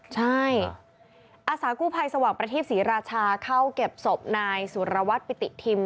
ใช่อาสากู้ภัยสว่างประทีปศรีราชาเข้าเก็บศพนายสุรวัตรปิติทิม